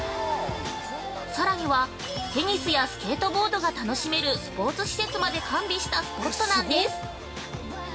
さらにはテニスやスケートボードが楽しめるスポーツ施設まで完備したスポットなんです！